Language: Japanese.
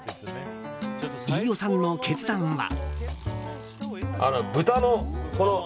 飯尾さんの決断は。